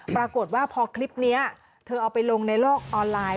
ปรากฏว่าพอคลิปนี้เธอเอาไปลงในโลกออนไลน์